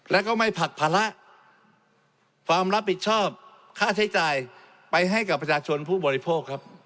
แล้วก็ไม่ผลักภาระความรับผิดชอบค่าใช้จ่ายไปให้กับประชาชนผู้บริโภคครับ